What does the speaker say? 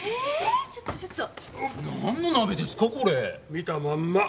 見たまんま。